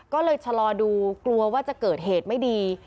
ก็เลยชะลอดูกลัวว่าจะเกิดเหตุไม่ดี